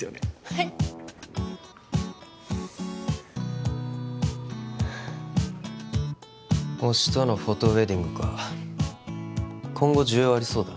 はい推しとのフォトウェディングか今後需要ありそうだ